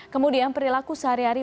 kemudian perilaku sehari hari